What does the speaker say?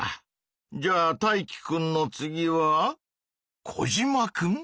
じゃあタイキくんの次はコジマくん？